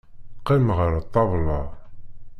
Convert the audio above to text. Qqim ɣer ṭṭabla.